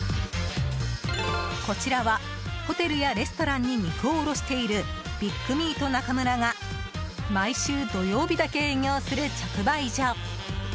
こちらはホテルやレストランに肉を卸しているビックミート中村が毎週土曜日だけ営業する直売所。